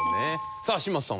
さあ嶋佐さん